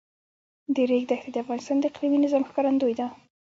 د ریګ دښتې د افغانستان د اقلیمي نظام ښکارندوی ده.